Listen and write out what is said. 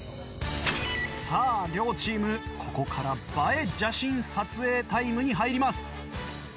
さあ両チームここから映え写真撮影タイムに入ります。